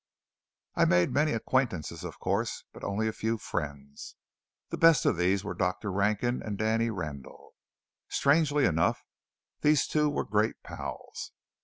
I made many acquaintances of course, but only a few friends. The best of these were Dr. Rankin and Danny Randall. Strangely enough, these two were great pals.